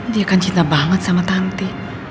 dia kan cinta banget sama tante